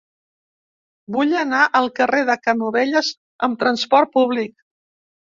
Vull anar al carrer de Canovelles amb trasport públic.